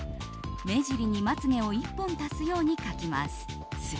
目尻に、まつ毛を１本足すように描きます。